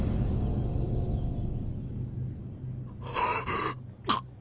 ああ